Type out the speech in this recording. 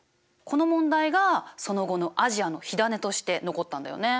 この問題がその後のアジアの火種として残ったんだよね。